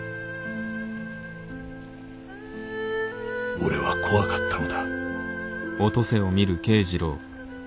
俺は怖かったのだ。